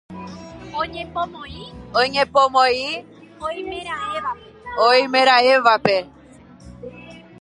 Oñepomoĩ oimeraẽvape.